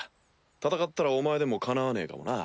戦ったらお前でもかなわねえかもな。